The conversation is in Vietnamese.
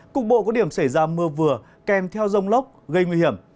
cục bộ có điểm xảy ra mưa vừa kèm theo rông lốc gây nguy hiểm